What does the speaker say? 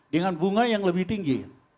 dengan bunga yang lebih tinggi